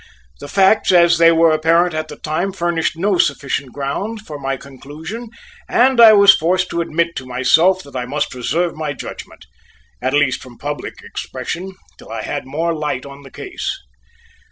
The facts as they were apparent at the time furnished no sufficient ground for my conclusion and I was forced to admit to myself that I must reserve my judgment, at least from public expression, till I had more light on the case.